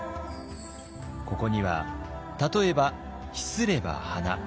ここには例えば「秘すれば花」